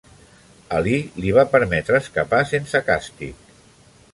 Ali li va permetre escapar sense càstig.